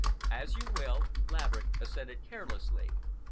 "As you will," Laverick assented carelessly.